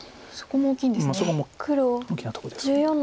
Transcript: そこも大きなとこです。